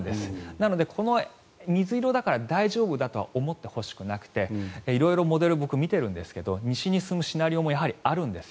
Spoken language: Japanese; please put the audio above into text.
なので、水色だから大丈夫だとは思ってほしくなくて色々モデルを僕、見てるんですが西に進むシナリオもやはりあるんです。